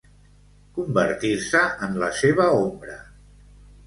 Convertir-se en la seva ombra.